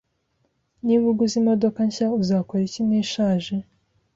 Niba uguze imodoka nshya, uzakora iki nishaje?